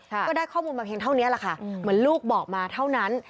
ก็ได้ข้อมูลมาเพียงเท่านี้แหละค่ะเหมือนลูกบอกมาเท่านั้น